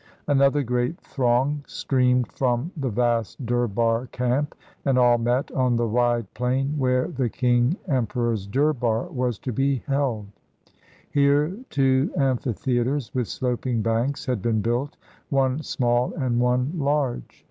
Another great throng streamed from the vast Durbar Camp, and all met on the wide plain where the King Emperor's Durbar was to be held. Here two amphi theaters with sloping banks had been built, one small and one large.